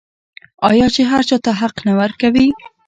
آیا چې هر چا ته حق نه ورکوي؟